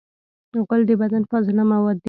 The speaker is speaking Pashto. غول د بدن فاضله مواد دي.